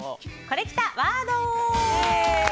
コレきたワード。